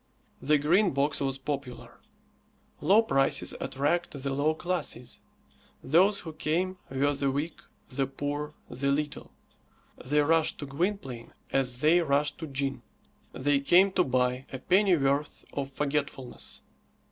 The Green Box was popular. Low prices attract the low classes. Those who came were the weak, the poor, the little. They rushed to Gwynplaine as they rushed to gin. They came to buy a pennyworth of forgetfulness.